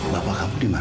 bapak kamu di mana